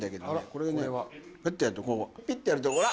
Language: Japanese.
これをねピッてやるとほら。